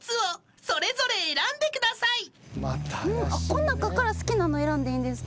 この中から好きなの選んでいいんですか？